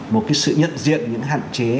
một cái sự nhận diện những hạn chế